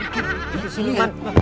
tuh sini luman